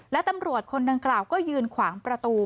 และตำรวจคนดังกล่าวก็ยืนขวางประตู